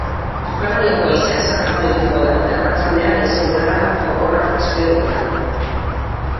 Iparraldeko haizea zakartu egingo da eta arratsaldean haize-bolada gogorrak espero dira.